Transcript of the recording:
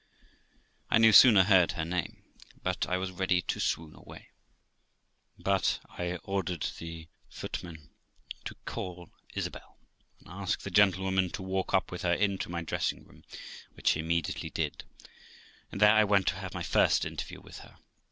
I no sooner heard her name, but I was ready to swoon away, but I ordered the footman to call Isabel, and ask the gentlewoman to walk up with her into my dressing room; which he immediately did, and there I went to have my first interview with her.